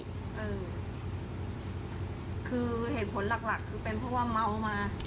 คือเหตุผลหลักหลักคือเป็นเพราะว่าเมามา